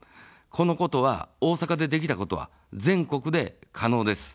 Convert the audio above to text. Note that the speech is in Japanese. このことは、大阪でできたことは全国で可能です。